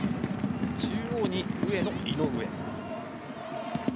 中央に上野、井上。